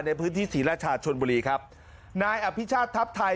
ในพื้นที่ศรีราชาชนบุรีครับนายอภิชาติทัพไทย